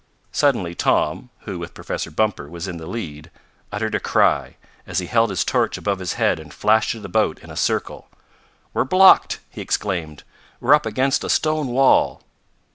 Suddenly Tom, who, with Professor Bumper, was in the lead, uttered a cry, as he held his torch above his head and flashed it about in a circle. "We're blocked!" he exclaimed. "We're up against a stone wall!"